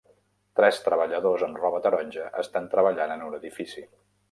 Tres treballadors amb roba taronja estan treballant en un edifici.